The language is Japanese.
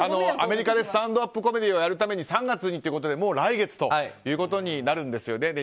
アメリカでスタンダップコメディーをやるために３月にということでもう来月になるんですね。